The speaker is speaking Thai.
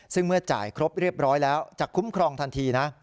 ซึ่งเมื่อจ่ายครบเรียบร้อยแล้วจะคุ้มครองทันทีนะ